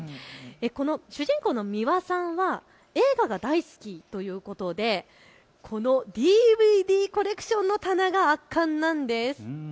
主人公のミワさんは映画が大好きということでＤＶＤコレクションの棚が圧巻なんです。